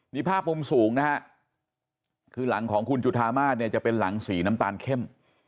นี่ภาพมุมสูงนะฮะคือหลังของคุณจุธามาศเนี่ยจะเป็นหลังสีน้ำตาลเข้ม